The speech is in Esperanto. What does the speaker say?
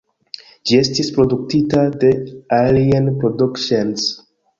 Ĝi estis produktita de Alien Productions.